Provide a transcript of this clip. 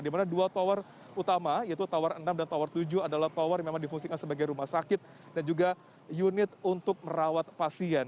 dimana dua tower utama yaitu tower enam dan tower tujuh adalah tower yang memang difungsikan sebagai rumah sakit dan juga unit untuk merawat pasien